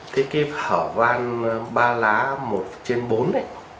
thế cái hở vang ba lá một trên bốn